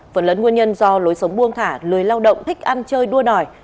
phần lớn nguyên nhân do lối sống buông thả lười lao động thích ăn chơi đua đòi